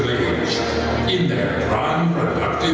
dalam waktu yang paling produktif